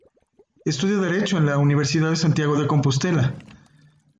Estudio Derecho en la Universidad de Santiago de Compostela.